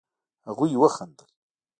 هغوئ وخندل.